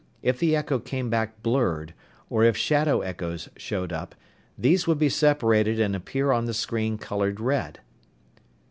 If the echo came back blurred, or if "shadow echoes" showed up, these would be separated and appear on the screen colored red.